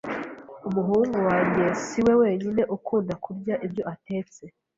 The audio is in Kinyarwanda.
Umuhungu wanjye siwe wenyine ukunda kurya ibyo atetse.